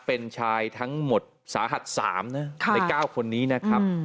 เป็นชายทั้งหมดสาหัส๓นะใน๙คนนี้นะครับ